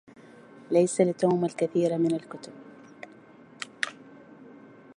ليس لتوم الكثير من الكتب.